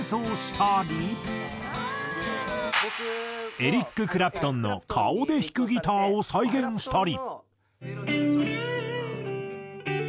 エリック・クラプトンの顔で弾くギターを再現したり。